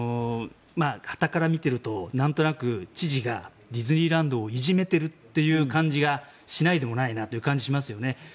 はたから見ているとなんとなく、知事がディズニーランドをいじめてるという感じがしないでもないなって気がしますよね。